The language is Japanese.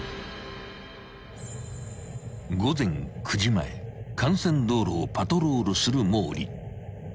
［午前９時前幹線道路をパトロールする毛利］